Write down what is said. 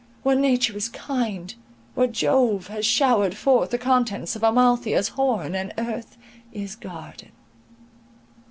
—where nature is kind, where Jove has showered forth the contents of Amalthea's horn, and earth is garden.